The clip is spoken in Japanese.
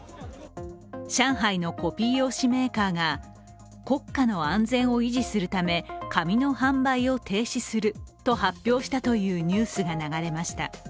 上海のコピー用紙メーカーが国家の安全を維持するため紙の販売を停止すると発表したというニュースが流れました。